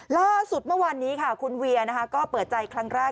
ล่าสุดเมื่อวานนี้ค่ะคุณเวียก็เปิดใจครั้งแรก